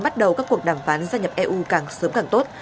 bắt đầu các cuộc đàm phán gia nhập eu càng sớm càng tốt